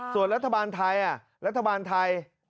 ส่วนรัฐบาลไทยรัฐบาลไทย